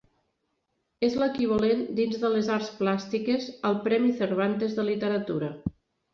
És l'equivalent dins de les arts plàstiques al Premi Cervantes de literatura.